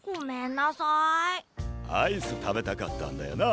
アイスたべたかったんだよな？